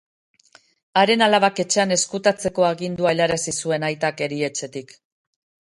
Haren alabak etxean ezkutatzeko agindua helarazi zuen aitak erietxetik.